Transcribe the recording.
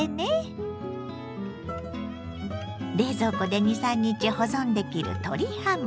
冷蔵庫で２３日保存できる鶏ハム。